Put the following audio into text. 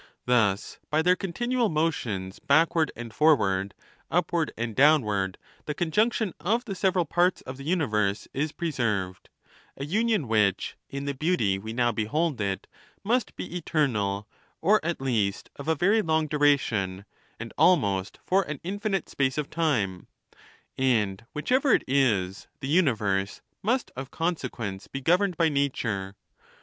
Thus by their continual motions back ward and forward, upward and downward, the conjunc tion of the several parts of the universe is preserved ; a union which, in the beauty we now behold it, must be eternal, or at least of a very long duration, and almost for an infinite space of time ; and, whichever it is, the uni verse must of consequence be governed by nature.